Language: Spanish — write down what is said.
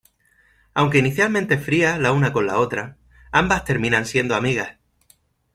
Aunque inicialmente frías la una con la otra, ambas terminan siendo amigas.